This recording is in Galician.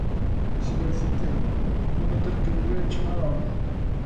Señor Centeo, vouno ter que volver chamar á orde.